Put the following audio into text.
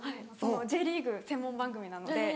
Ｊリーグ専門番組なので。